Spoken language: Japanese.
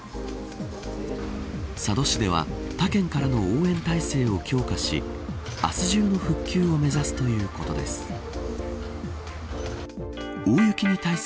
佐渡市では他県からの応援態勢を強化し明日中の復旧を目指すということです。